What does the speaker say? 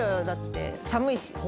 だって寒いし。